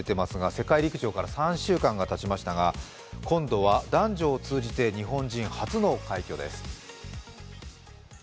世界陸上から３週間がたちましたが今度は男女を通じて日本人初の快挙です。